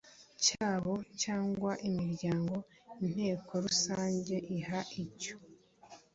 cyabo cyangwa imiryango inteko rusange iha icyo